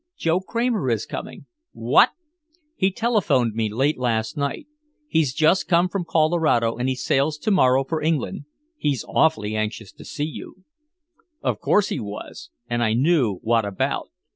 "Joe Kramer is coming." "What?" "He telephoned me late last night. He's just come from Colorado and he sails to morrow for England. He's awfully anxious to see you." Of course he was, and I knew what about!